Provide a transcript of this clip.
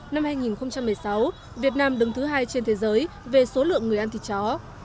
năm hai nghìn một mươi sáu việt nam đứng thứ hai trên thế giới về số lượng người ăn thịt chó